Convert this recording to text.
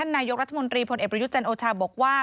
นายกรัฐมนตรีพลเอกประยุทธ์จันทร์โอชาบอกว่า